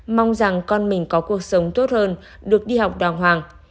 mong rằng con mình có cuộc sống tốt hơn được đi học đàng hoàng